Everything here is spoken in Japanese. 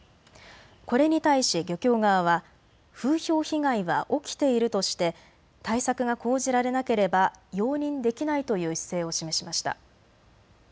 これに対し漁協側は風評被害は起きているとして対策が講じられなければ容認できないという姿勢を示しました。